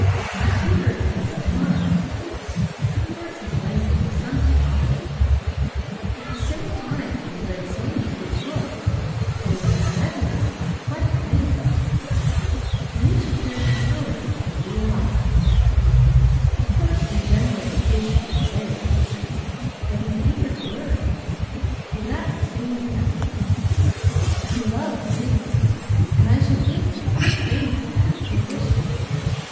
A tutor is coming to morrow. Of course his language is something awful; at the same time, he has read so many good books that his vocabulary is quite amazing and you should hear the stories he can reel off! Of course in general education he is very deficient; but he's eager to learn, so that will soon be remedied. He loves music, and I shall give him what training in that he wishes.